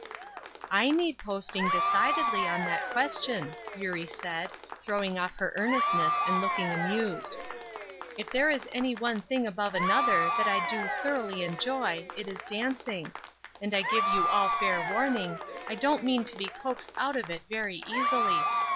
"I need posting, decidedly, on that question," Eurie said, throwing off her earnestness and looking amused. "If there is anyone thing above another that I do thoroughly enjoy, it is dancing; and I give you all fair warning, I don't mean to be coaxed out of it very easily.